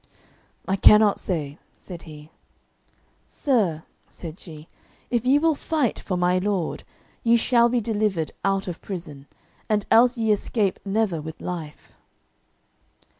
"I cannot say," said he. "Sir," said she, "if ye will fight for my lord, ye shall be delivered out of prison, and else ye escape never with life."